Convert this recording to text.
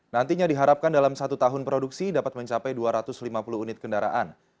nantinya diharapkan dalam satu tahun produksi dapat mencapai dua ratus lima puluh unit kendaraan